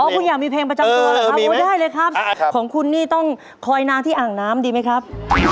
คุณอยากมีเพลงประจำตัวเหรอครับพูดได้เลยครับของคุณนี่ต้องคอยนางที่อ่างน้ำดีไหมครับ